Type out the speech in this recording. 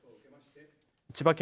千葉県